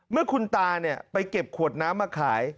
เมื่อคุณตาไปเก็บขวดน้ำมาขาย